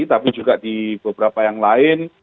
tapi juga di beberapa yang lain